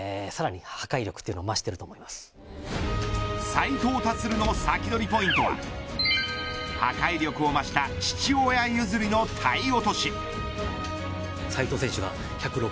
斉藤立のサキドリポイントは破壊力を増した父親譲りの体落。